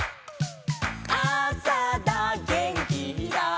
「あさだげんきだ」